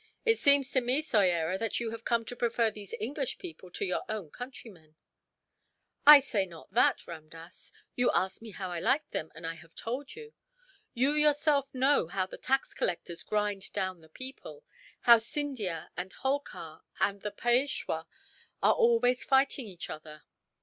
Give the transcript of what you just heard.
"It seems to me, Soyera, that you have come to prefer these English people to your own countrymen." "I say not that, Ramdass. You asked me how I liked them, and I have told you. You yourself know how the tax collectors grind down the people; how Scindia and Holkar and the Peishwa are always fighting each other.